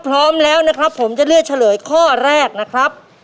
พอพร้อมแล้วนะครับผมจะเรียกจะเหลือข้อแรกนะครับ